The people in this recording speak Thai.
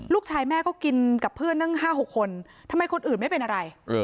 ลูกชายแม่ก็กินกับเพื่อนตั้ง๕๖คนทำไมคนอื่นไม่เป็นอะไร